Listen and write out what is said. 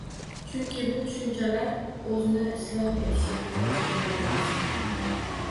Chunki bu tushunchalar o‘zni isloh etish ehtiyoji bilan emas